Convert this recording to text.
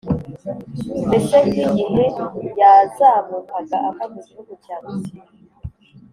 mbese nk’igihe yazamukaga ava mu gihugu cya Misiri.